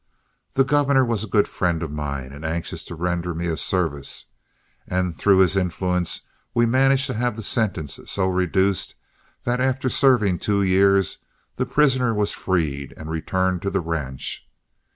The governor was a good friend of mine, anxious to render me a service, and through his influence we managed to have the sentence so reduced that after serving two years the prisoner was freed and returned to the ranch.